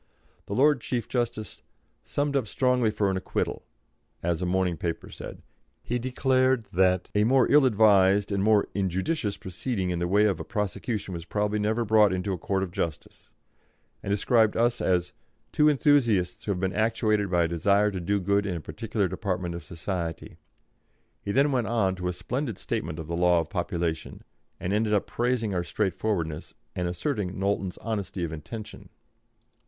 The Lord Chief Justice "summed up strongly for an acquittal," as a morning paper said; he declared that "a more ill advised and more injudicious proceeding in the way of a prosecution was probably never brought into a court of justice," and described us as "two enthusiasts who have been actuated by a desire to do good in a particular department of society." He then went on to a splendid statement of the law of population, and ended by praising our straightforwardness and asserting Knowlton's honesty of intention.